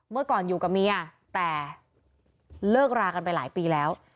เมื่อก่อนอยู่กับเมียแต่เลิกรากันไปหลายปีแล้ว